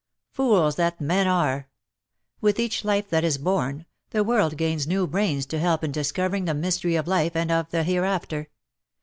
Fools that men are ! With each Hfe that Is born, the world gains new brains to help in discovering the mystery of life and of the hereafter.